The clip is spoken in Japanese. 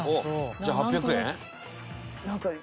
じゃあ８００円？